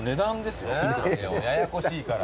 ややこしいから。